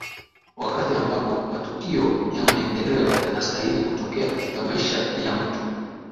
wakati ambapo matukio ya maendeleo yanastahili kutokea katika maisha ya mtu